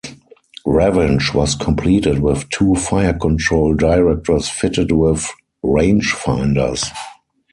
"Revenge" was completed with two fire-control directors fitted with rangefinders.